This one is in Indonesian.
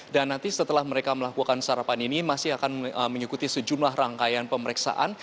dan nanti setelah mereka melakukan sarapan ini masih akan menyekuti sejumlah rangkaian pemeriksaan